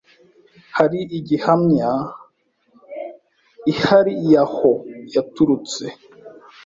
Hari gihamya ihari yahoo yaturutse